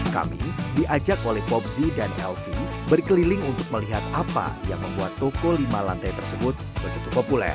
kami diajak oleh popzi dan elvin berkeliling untuk melihat apa yang membuat toko lima lantai tersebut begitu populer